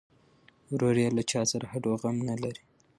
ورور یې له چا سره هډوغم نه لري.